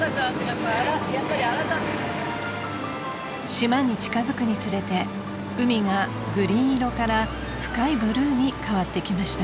［島に近づくにつれて海がグリーン色から深いブルーに変わってきました］